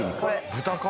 豚か？